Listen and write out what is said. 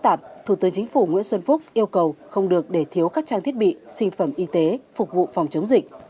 thủ tướng chính phủ nguyễn xuân phúc yêu cầu không được để thiếu các trang thiết bị sinh phẩm y tế phục vụ phòng chống dịch